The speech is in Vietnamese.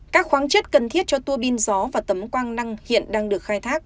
các khoáng chất cần thiết cho tua pin gió và tấm quang năng hiện đang được khai thác